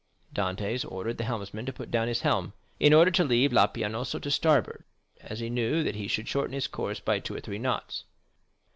Dantès ordered the helmsman to put down his helm, in order to leave La Pianosa to starboard, as he knew that he should shorten his course by two or three knots.